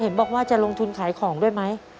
บอกว่าจะลงทุนขายของด้วยไหม